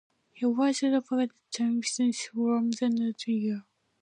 He was subsequently banned from cricket for a year.